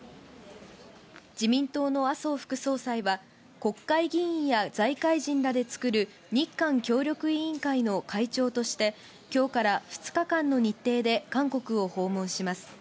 自民党の麻生副総裁は、国会議員や財界人らで作る日韓協力委員会の会長として、きょうから２日間の日程で韓国を訪問します。